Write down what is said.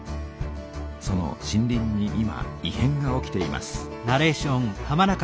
その森林に今い変が起きています。